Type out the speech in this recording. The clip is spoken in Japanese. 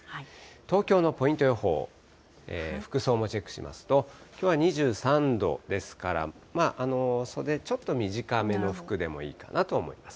東京のポイント予報、服装もチェックしますと、きょうは２３度ですから、袖、ちょっと短めの服でもいいかなと思います。